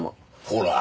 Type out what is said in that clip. ほら。